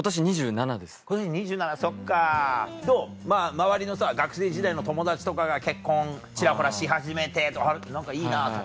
周りの学生時代の友達とかが結婚ちらほらし始めて何かいいなとか。